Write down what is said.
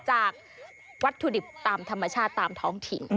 จากวัตถุดิบตามธรรมชาติตามท้องถิ่น